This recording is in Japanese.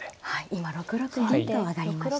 今６六銀と上がりました。